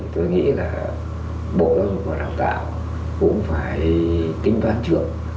tôi nghĩ là bộ lao dụng và đào tạo cũng phải kinh toán trưởng